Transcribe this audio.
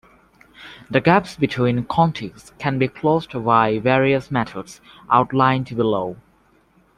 The gaps between contigs can be closed by various methods outlined below.